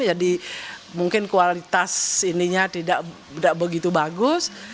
jadi mungkin kualitas ini tidak begitu bagus